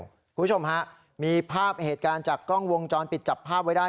คุณผู้ชมฮะมีภาพเหตุการณ์จากกล้องวงจรปิดจับภาพไว้ได้